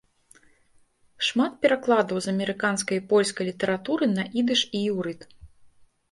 Шмат перакладаў з амерыканскай і польскай літаратуры на ідыш і іўрыт.